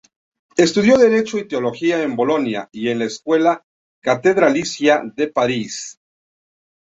Estudió Derecho y Teología en Bolonia y en la escuela catedralicia de París.